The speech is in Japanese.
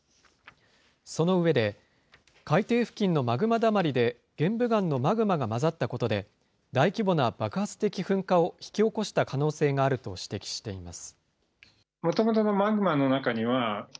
その上で、海底付近のマグマだまりで玄武岩のマグマが混ざったことで、大規模な爆発的噴火を引き起こした可能性があると指摘しています。